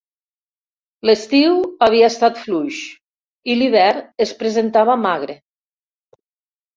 L'estiu havia estat fluix i l'hivern es presentava magre.